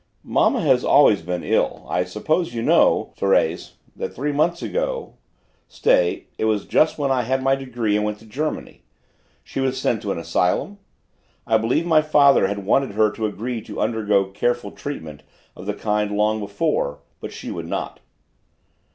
"Mamma always has been ill. I suppose you know, Thérèse, that three months ago stay, it was just when I had taken my degree and went to Germany she was sent to an asylum? I believe my father had wanted her to agree to undergo careful treatment of the kind long before, but she would not."